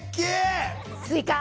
スイカ。